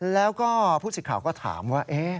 แล้วก็ผู้สิทธิ์ข่าวก็ถามว่า